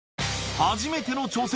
初めての挑戦。